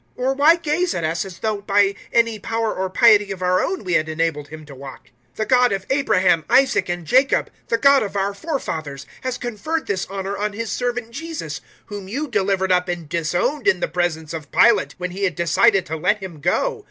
Or why gaze at us, as though by any power or piety of our own we had enabled him to walk? 003:013 The God of Abraham, Isaac, and Jacob, the God of our forefathers, has conferred this honour on His Servant Jesus, whom you delivered up and disowned in the presence of Pilate, when he had decided to let Him go.